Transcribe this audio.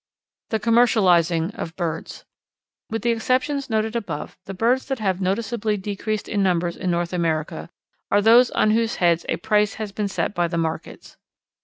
The Commercializing of Birds. With the exceptions noted above the birds that have noticeably decreased in numbers in North America are those on whose heads a price has been set by the markets.